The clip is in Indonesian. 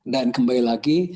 dan kembali lagi